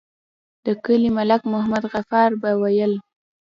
د کلي ملک محمد غفار به ويل.